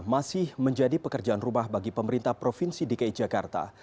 masih menjadi pekerjaan rumah bagi pemerintah provinsi dki jakarta